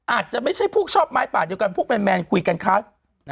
อาจจะไม่ใช่พวกชอบไม้ป่าเดียวกันพวกแมนคุยกันคะ